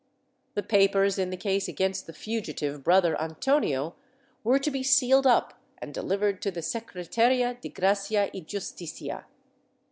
The papers m the case against the fugitive brother Antonio were to be sealed up and delivered to the Secretaria de Gracia y Justicia.